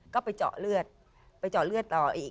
ก็ไปเจาะเลือดไปเจาะเลือดต่ออีก